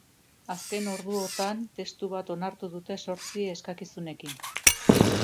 Azken orduotan testu bat onartu dute zortzi eskakizunekin.